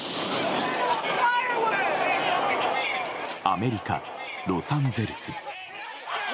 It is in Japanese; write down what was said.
アメリカ・ロサンゼルス。